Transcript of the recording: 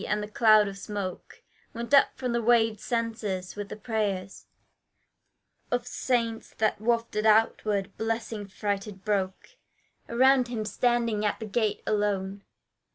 And the cloud of smoke Went up from the waved censers, with the prayers Of saints, that wafted outward blessing freighted broke Around him standing at the gate alone.